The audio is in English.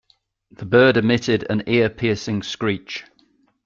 The bird emitted an ear-piercing screech.